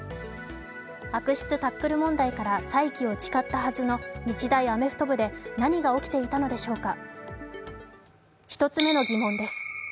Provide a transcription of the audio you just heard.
悪質タックル問題から再起を誓ったはずの日大アメフト部で何が起きていたのでしょうか。